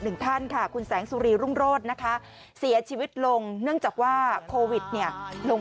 หนึ่งท่านค่ะคุณแสงสุรีรุ่งโรธนะคะเสียชีวิตลงเนื่องจากว่าโควิดเนี่ยลง